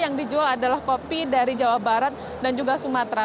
yang dijual adalah kopi dari jawa barat dan juga sumatera